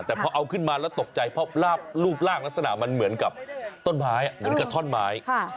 แต่พอเอาขึ้นมาแล้วตกใจเพราะรูปร่างลักษณะมันเหมือนกับต้นไม้เหมือนกับท่อนไม้